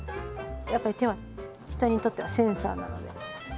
やっぱり手は人にとってはセンサーなので。